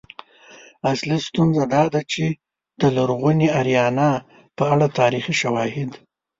اصلی ستونزه دا ده چې د لرغونې آریانا په اړه تاریخي شواهد